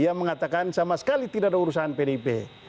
dia mengatakan sama sekali tidak ada urusan pdip